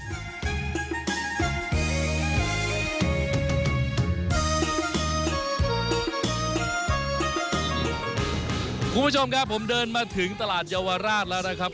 คุณผู้ชมครับผมเดินมาถึงตลาดเยาวราชแล้วนะครับ